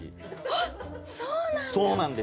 あっそうなんだ。